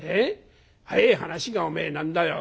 早え話がおめえ何だよ